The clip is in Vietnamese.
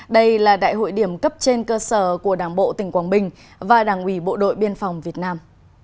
đây là đại hội điểm cấp trên cơ sở của đảng bộ tỉnh quảng bình và đảng ủy bộ đội biên phòng việt nam